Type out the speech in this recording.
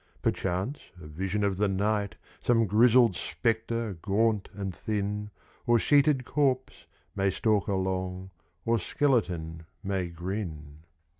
Perchance a vision of the night, Some grizzled spectre, gaunt and thin, Or sheeted corpse, may stalk along, Or skeleton may grin.